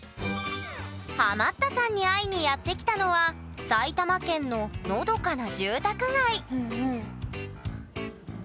ハマったさんに会いにやって来たのは埼玉県ののどかな住宅街